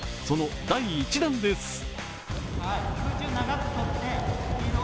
その第１弾です。